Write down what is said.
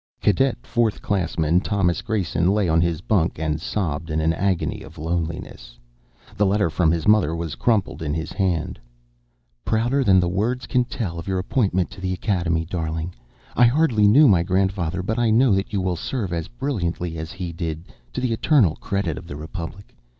Cadet Fourth Classman Thomas Grayson lay on his bunk and sobbed in an agony of loneliness. The letter from his mother was crumpled in his hand: " prouder than words can tell of your appointment to the Academy. Darling, I hardly knew my grandfather but I know that you will serve as brilliantly as he did, to the eternal credit of the Republic.